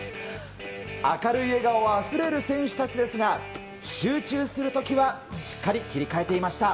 明るい笑顔あふれる選手たちですが、集中するときはしっかり切り替えていました。